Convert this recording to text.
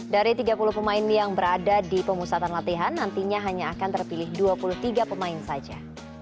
dari tiga puluh pemain yang berada di pemusatan latihan nantinya hanya akan terpilih dua puluh tiga pemain saja